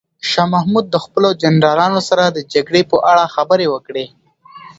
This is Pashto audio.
شاه محمود د خپلو جنرالانو سره د جګړې په اړه خبرې وکړې.